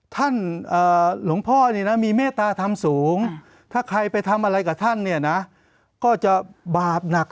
ท่านหลวงพ่อนี่นะมีเมตตาทำสูงถ้าใครไปทำอะไรกับท่านเนี่ยนะ